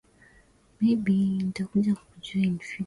Wapiganaji wa kundi hilo walikimbilia Uganda baada ya kuzidiwa na